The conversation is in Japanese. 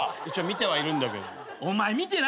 見てはいるんだけど。